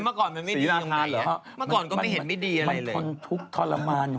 ทุกทรมานอะไรชีวิตยังเกิดจริงทุกทรมานอีกหรอ